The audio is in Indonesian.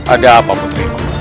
ada apa putriku